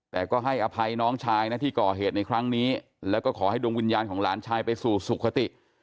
แต่ก็ให้อภัยน้องชายนะที่ก่อเหตุในครั้งนี้แล้วก็ขอให้ดวงวิญญาณของหลานชายไปสู่สุขติ